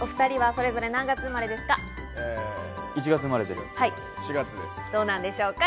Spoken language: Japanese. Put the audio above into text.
それぞれ何月生まれですか？